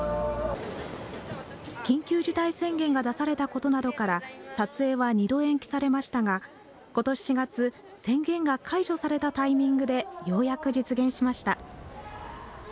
緊急事態宣言が出されたことなどから撮影は２度延期されましたがことし４月、宣言が解除されたタイミングでようやく実現しました。